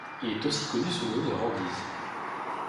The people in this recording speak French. Il est aussi connu sous le nom de Randy's.